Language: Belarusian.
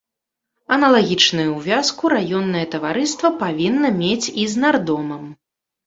Аналагічную ўвязку раённае таварыства павінна мець і з нардомам.